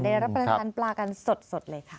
ได้รับประทานปลากันสดเลยค่ะ